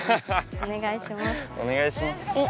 お願いしますあっ